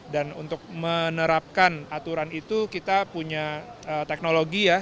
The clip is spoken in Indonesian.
dan untuk menerapkan aturan itu kita punya teknologi ya